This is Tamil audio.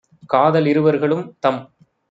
காத லிருவர்களும் - தம்